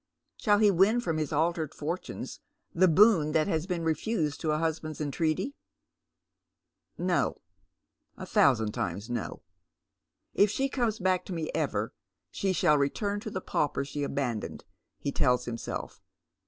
Sliall he win from his altered fortunes the boon that has been refused to a husband's entreaty ? No, a thousand times no. " If she comes back to me ever she shall return to the pauper she abandoned," he tells himself.